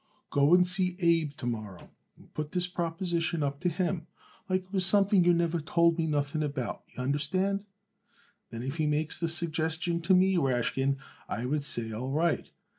Go and see Abe to morrow, and put this proposition up to him like it was something you never told me nothing about, y'understand? Then if he makes the suggestion to me, Rashkin, I would say all right.